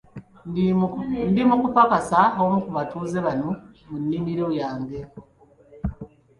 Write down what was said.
Ndi mu kupakasa omu ku batuuze bano munimiro yange.